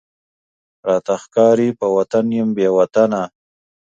راته ښکاری په وطن یم بې وطنه،